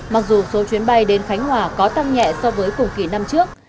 mặc dù số chuyến bay đến khánh hòa có tăng nhẹ so với cùng kỳ năm trước